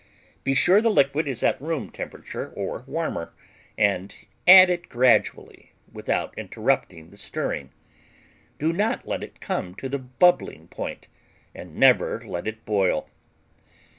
Be sure the liquid is at room temperature, or warmer, and add it gradually, without interrupting the stirring. Do not let it come to the bubbling point, and never let it boil.